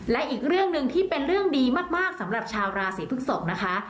และอีกเรื่องหนึ่งที่เป็นเรื่องดีมากสำหรับชาวราศีพฤกษกนะคะ